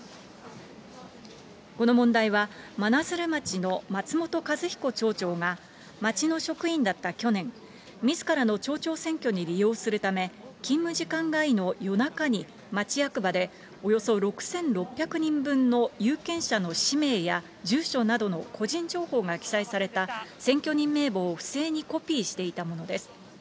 この問題は、真鶴町の松本一彦町長が町の職員だった去年、みずからの町長選挙に利用するため、勤務時間外の夜中に町役場で、およそ６６００人分の有権者の氏名や住所などの個人情報が記載された選挙人名簿を不正にコピーしていたものです。